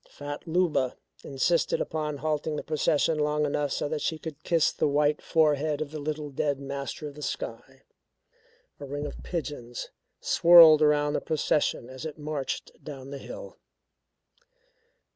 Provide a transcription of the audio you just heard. Fat Luba insisted upon halting the procession long enough so that she could kiss the white forehead of the little dead master of the sky. A ring of pigeons swirled around the procession as it marched down the hill.